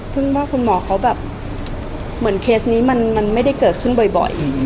ว่าคุณหมอเขาแบบเหมือนเคสนี้มันไม่ได้เกิดขึ้นบ่อย